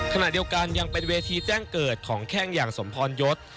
ขณะเดียวกันยังเป็นเวทีแจ้งเกิดของแข้งอย่างสมพรยศ